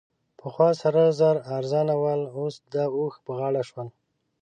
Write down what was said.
پخوا سره زر ارزانه ول؛ اوس د اوښ په غاړه شول.